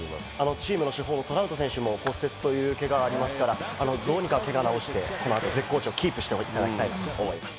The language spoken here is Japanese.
チームの主砲・トラウト選手も骨折という情報がありますから、絶好調をキープしていただきたいと思います。